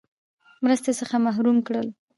مرستې څخه محروم کړل.